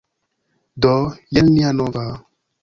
Do, jen nia nova...